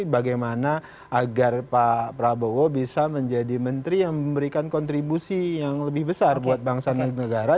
bagaimana agar pak prabowo bisa menjadi menteri yang memberikan kontribusi yang lebih besar buat bangsa dan negara